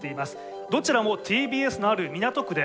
どちらもＴＢＳのある港区で行っています。